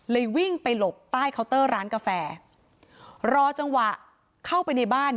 วิ่งไปหลบใต้เคาน์เตอร์ร้านกาแฟรอจังหวะเข้าไปในบ้าน